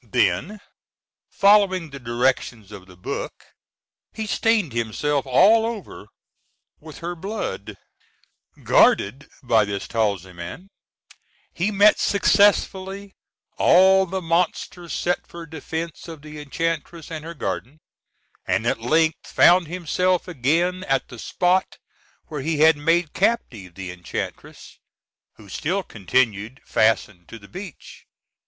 Then, following the directions of the book, he stained himself all over with her blood. Guarded by this talisman, he met successively all the monsters set for defence of the enchantress and her garden, and at length found himself again at the spot where he had made captive the enchantress, who still continued fastened to the beech.